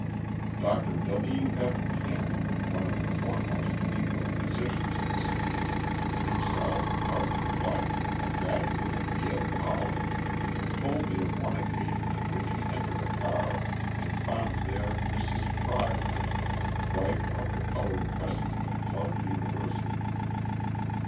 Dr. W. F. Penn, one of the foremost Negro physicians of the city, himself partly white, a graduate of Yale College, told me of one occasion in which he entered a car and found there Mrs. Crogman, wife of the coloured president of Clark University.